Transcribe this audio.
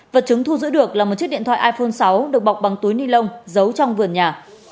vật chứng thu giữ được là một chiếc điện thoại iphone sáu được bọc bằng túi ni lông giấu trong vườn nhà